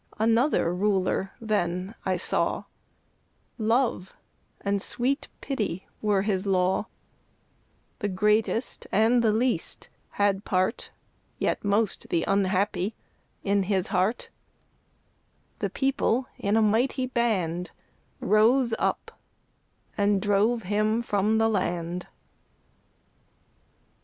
Another Ruler then I saw Love and sweet Pity were his law: The greatest and the least had part (Yet most the unhappy) in his heart The People, in a mighty band, Rose up, and drove him from the land!